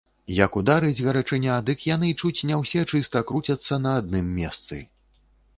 Як ударыць гарачыня, дык яны чуць не ўсе чыста круцяцца на адным месцы.